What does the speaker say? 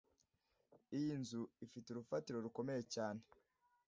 Iyi nzu ifite urufatiro rukomeye cyane